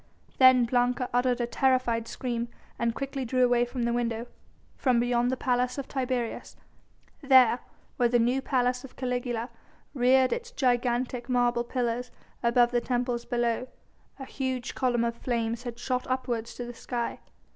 Then Blanca uttered a terrified scream and quickly drew away from the window; from beyond the Palace of Tiberius, there where the new Palace of Caligula reared its gigantic marble pillars above the temples below, a huge column of flames had shot upwards to the sky.